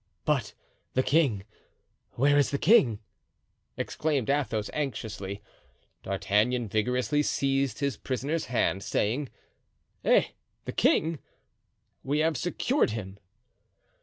"But the king—where is the king?" exclaimed Athos, anxiously. D'Artagnan vigorously seized his prisoner's hand, saying: "Eh! the king? We have secured him."